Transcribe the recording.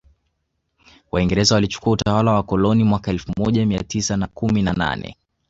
Waingereza walichukua utawala wa koloni mwaka elfu moja mia tisa na kumi na nane